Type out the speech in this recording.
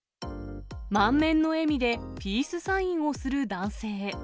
満面の笑みでピースサインをする男性。